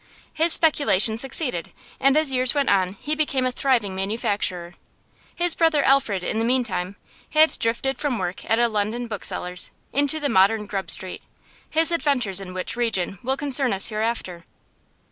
His speculation succeeded, and as years went on he became a thriving manufacturer. His brother Alfred, in the meantime, had drifted from work at a London bookseller's into the modern Grub Street, his adventures in which region will concern us hereafter.